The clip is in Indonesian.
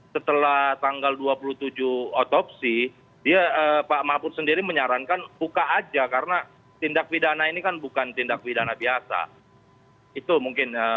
setelah tanggal dua puluh tujuh otopsi dia pak mahfud sendiri menyarankan buka aja karena tindak pidana ini kan